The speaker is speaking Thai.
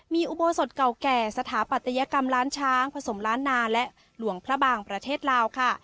มีอุโบสถเก่าแก่สถาปัตยกรรมล้านช้างผสมล้านนาและหลวงพระบางประเทศลาวค่ะ